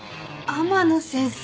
天野先生